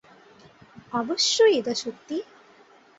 অবশ্যই এটা সত্যি।